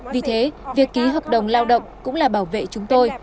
vì thế việc ký hợp đồng lao động cũng là bảo vệ chúng tôi